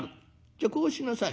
じゃあこうしなさい。